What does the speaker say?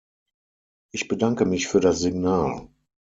Ich bedanke mich für das Signal!